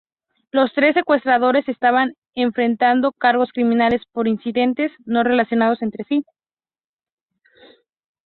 Los tres secuestradores estaban enfrentando cargos criminales por incidentes no relacionados entre sí.